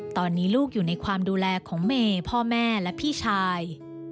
ตอนนี้ลูกอยู่ในความดูแลของเมย์พ่อแม่และพี่ชาย